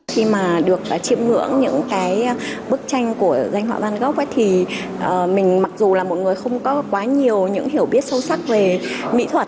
khi mà được chiêm ngưỡng những cái bức tranh của danh họa van gốc ấy thì mình mặc dù là một người không có quá nhiều những hiểu biết sâu sắc về mỹ thuật